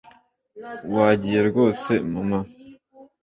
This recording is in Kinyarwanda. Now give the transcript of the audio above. wagiye rwose, mama?